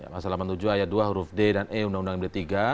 pasal delapan puluh tujuh ayat dua huruf d dan e undang undang md tiga